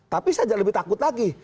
tapi saja lebih takut lagi